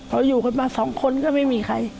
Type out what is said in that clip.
เราอยู่ข้างมา๒คนก็ไม่มีใคร